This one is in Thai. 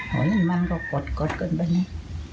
อย่างนั้นมันก็กดกันแบบนี้